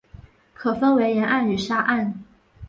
可分为岩岸与沙岸。